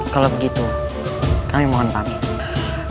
kalau begitu kami mohon pak